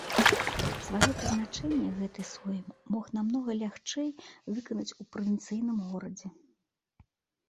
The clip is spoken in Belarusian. Сваё прызначэнне гэты сойм мог намнога лягчэй выканаць у правінцыйным горадзе.